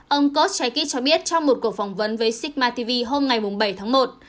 ông koschekis cho biết trong một cuộc phỏng vấn với sigma tv hôm ngày bảy tháng một